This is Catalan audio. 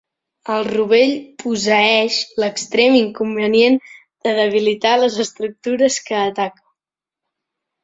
El rovell posseeix l'extrem inconvenient de debilitar les estructures que ataca.